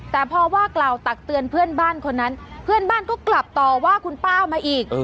แต่พอว่ากล่าวตักเตือนเพื่อนบ้านคนนั้นเพื่อนบ้านก็กลับต่อว่าคุณป้ามาอีก